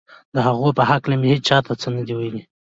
د هغو په هکله مې هېچا ته څه نه ویل